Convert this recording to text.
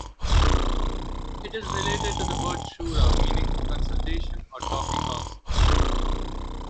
It is related to the word shura, meaning consultation or "taking counsel".